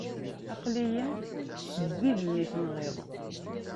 Aqli-yi seg wid-nni tenɣiḍ.